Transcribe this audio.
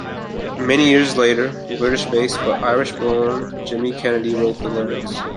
Many years later British-based, but Irish-born Jimmy Kennedy wrote the lyrics.